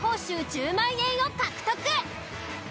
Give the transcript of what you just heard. １０万円を獲得！